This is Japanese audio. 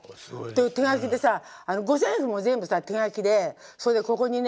手書きでさ五線譜も全部さ手書きでそれでここにね